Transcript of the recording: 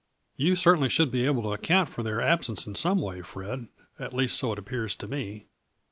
"You certainly should be able to account for their absence in some way, Fred ; at least so it appears to me."